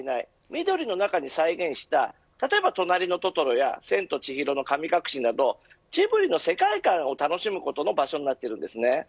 緑の中に再現した例えばとなりのトトロや千と千尋の神隠しなどジブリの世界観を楽しむ場所になっています。